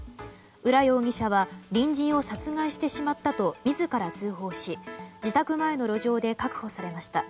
浦容疑者は隣人を殺害してしまったと自ら通報し自宅前の路上で確保されました。